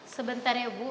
sebentar ya bu